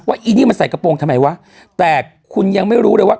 อีนี่มันใส่กระโปรงทำไมวะแต่คุณยังไม่รู้เลยว่า